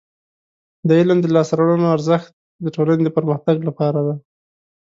د علم د لاسته راوړنو ارزښت د ټولنې د پرمختګ لپاره دی.